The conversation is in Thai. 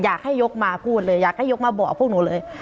อยากให้ยกมาพูดเลยอยากให้ยกมาบอกพวกหนูเลย